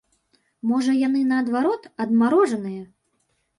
Можа, яны, наадварот, адмарожаныя?